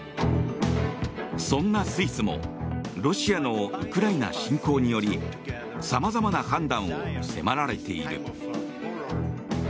そんなスイスもロシアのウクライナ侵攻によりさまざまな判断を迫られている。